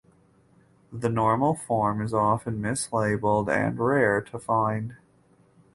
The normal form is often mislabeled and rare to find.